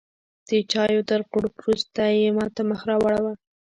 د چایو تر غوړپ وروسته یې ماته مخ راواړوه.